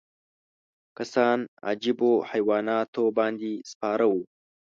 کسان عجیبو حیواناتو باندې سپاره وو.